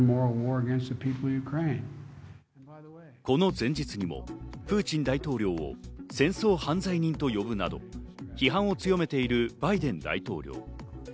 この前日にもプーチン大統領を戦争犯罪人と呼ぶなど、批判を強めているバイデン大統領。